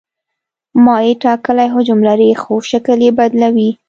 مایع ټاکلی حجم لري خو شکل یې بدلوي.